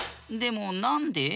でもなんで？